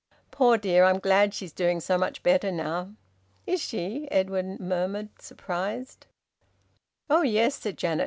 Poor dear, I'm glad she's doing so much better now." "Is she?" Edwin murmured, surprised. "Oh yes!" said Janet.